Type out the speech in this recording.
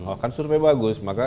oh kan survei bagus maka